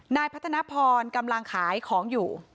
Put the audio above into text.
นายพัฒนพรกำลังขายของอยู่